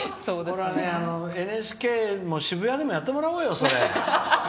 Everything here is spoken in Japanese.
これはＮＨＫの渋谷でもやってもらおうよ、それ。